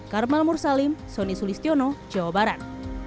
karmel mursalim sonny sulistiono jawa barat